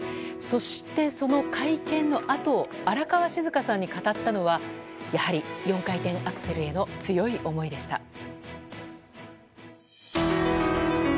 そして、その会見のあと荒川静香さんに語ったのはやはり、４回転アクセルへの強い思いでした。